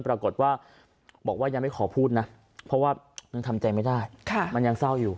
ปรากฏว่าบอกว่ายังไม่ขอพูดนะเพราะว่ายังทำใจไม่ได้มันยังเศร้าอยู่